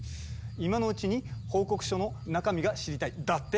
「今のうちに報告書の中身が知りたい」だって？